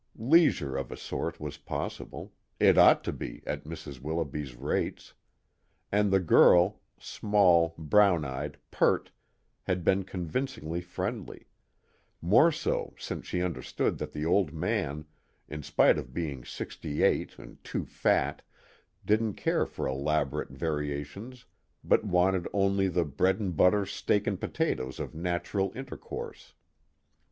Leisure of a sort was possible it ought to be, at Mrs. Willoughby's rates! and the girl, small, brown eyed, pert, had been convincingly friendly; more so, once she understood that the Old Man, in spite of being sixty eight and too fat, didn't care for elaborate variations but wanted only the bread and butter steak and potatoes of natural intercourse.